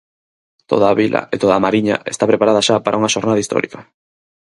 Toda a vila e toda a Mariña está preparada xa para unha xornada histórica.